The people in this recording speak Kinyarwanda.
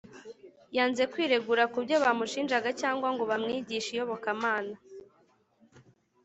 Yanze kwiregura ku byo bamushinjaga, cyangwa ngo bamwigishe iyobokamana